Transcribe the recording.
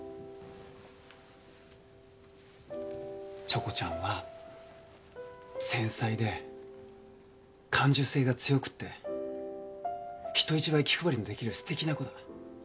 チョコちゃんは繊細で感受性が強くって人一倍気配りのできるすてきな子だ。